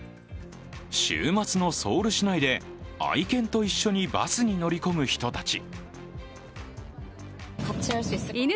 週末のソウル市内で愛犬と一緒にバスに乗り込む人たち。